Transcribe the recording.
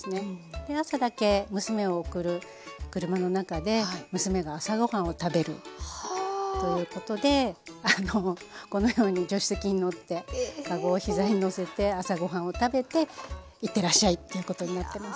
で朝だけ娘を送る車の中で娘が朝ご飯を食べるということでこのように助手席に乗って籠を膝にのせて朝ご飯を食べて行ってらっしゃいということやってます。